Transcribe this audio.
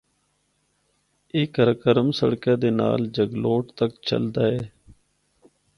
اے قراقرم سڑکا دے نال جگلوٹ تک چلدا ہے۔